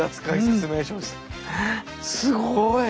すごい！